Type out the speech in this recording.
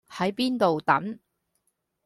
喺邊度等